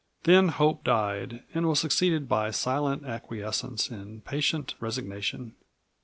Then hope died and was succeeded by silent acquiescence and patient resignation.